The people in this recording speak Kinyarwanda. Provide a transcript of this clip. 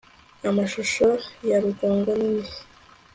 amashusho yo rugongo nini